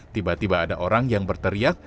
tiba tiba ada orang yang berteriak